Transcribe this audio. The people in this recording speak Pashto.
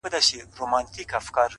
نسه نه وو نېمچه وو ستا د درد په درد؛